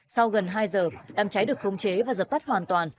sau gần hai giờ đám cháy được khống chế và dập tắt hoàn toàn